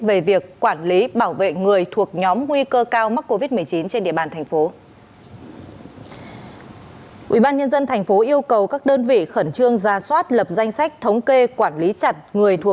về việc quản lý bảo vệ người thuộc nhóm nguy cơ cao mắc covid một mươi chín trên địa bàn thành phố